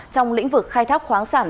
trong lĩnh vực khai thác khoáng sản